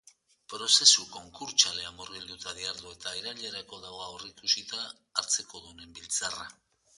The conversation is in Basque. Prozesu konkurtsalean murgilduta dihardu eta irailerako dago aurreikusita hartzekodunen biltzarra.